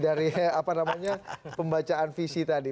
dari apa namanya pembacaan visi tadi